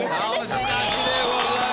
直しなしでございます。